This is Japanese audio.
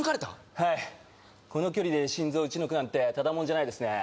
はいこの距離で心臓打ち抜くなんてただもんじゃないですね